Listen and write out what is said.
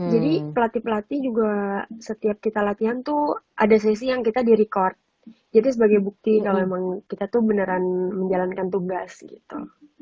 jadi pelatih pelatih juga setiap kita latihan tuh ada sesi yang kita direkord jadi sebagai bukti kalau memang kita tuh beneran menjalankan tugas gitu